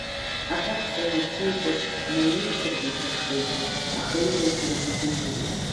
Аҭакс ажәа бзиақәак наиеиҳәаргьы иҭаххеит, аха иҟаиҵарыз изымдырит.